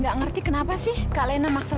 gak ngerti kenapa sih kak lena maksa